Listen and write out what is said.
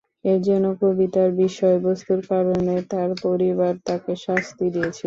এর জন্য কবিতার বিষয়বস্তুর কারণে তার পরিবার তাকে শাস্তি দিয়েছিল।